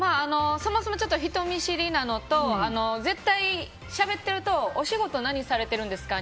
そもそもちょっと人見知りなのと絶対、しゃべってるとお仕事何されてるんですか？